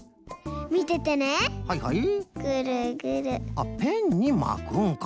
あっペンにまくんか。